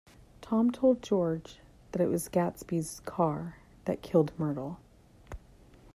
Tom told George that it was Gatsby's car that killed Myrtle.